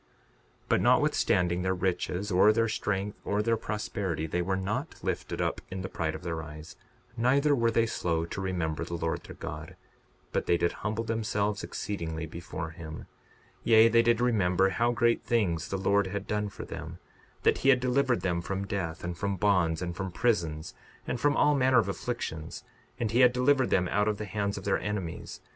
62:49 But notwithstanding their riches, or their strength, or their prosperity, they were not lifted up in the pride of their eyes; neither were they slow to remember the Lord their God; but they did humble themselves exceedingly before him. 62:50 Yea, they did remember how great things the Lord had done for them, that he had delivered them from death, and from bonds, and from prisons, and from all manner of afflictions and he had delivered them out of the hands of their enemies.